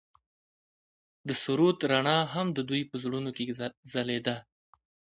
د سرود رڼا هم د دوی په زړونو کې ځلېده.